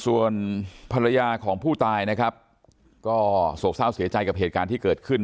ส่วนภรรยาของผู้ตายนะครับก็โศกเศร้าเสียใจกับเหตุการณ์ที่เกิดขึ้น